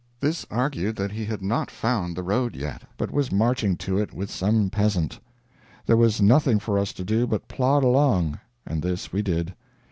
This argued that he had not found the road, yet, but was marching to it with some peasant. There was nothing for us to do but plod along and this we did.